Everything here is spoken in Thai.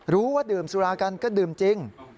ว่าดื่มสุรากันก็ดื่มจริง